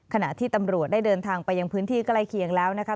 ขณะที่ตำรวจได้เดินทางไปยังพื้นที่ใกล้เคียงแล้วนะคะ